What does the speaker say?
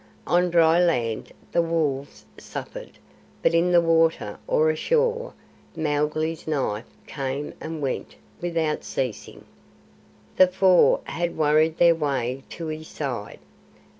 On dry land the wolves suffered; but in the water or ashore, Mowgli's knife came and went without ceasing. The Four had worried their way to his side.